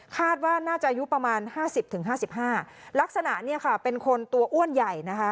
คาดว่าน่าจะอายุประมาณ๕๐๕๕ลักษณะเป็นคนตัวอ้วนใหญ่